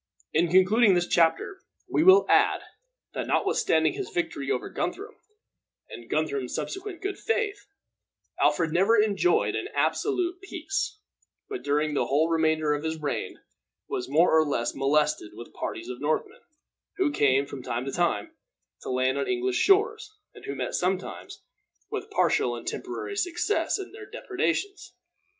In concluding this chapter, we will add, that notwithstanding his victory over Guthrum, and Guthrum's subsequent good faith, Alfred never enjoyed an absolute peace, but during the whole remainder of his reign was more or less molested with parties of Northmen, who came, from time to time, to land on English shores, and who met sometimes with partial and temporary success in their depredations.